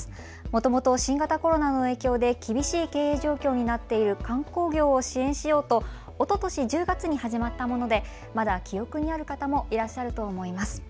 もともと新型コロナの影響で厳しい経営状況になっている観光業を支援しようとおととし１０月に始まったものでまだ記憶にある方もいらっしゃると思います。